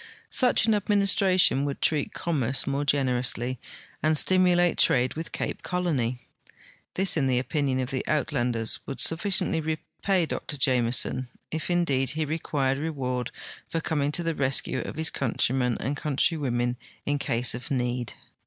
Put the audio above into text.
Such an administration would treat commerce more gen erously and stimulate trade with Cajie Colon}'. This, in the opinion of the Uitlanders, would sufhciently rejiay Dr Jameson, if, indeed, he re<piired reward for coming to the re.scue of his countrymen and countrywomen in case of need.